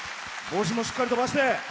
帽子もしっかり飛ばして。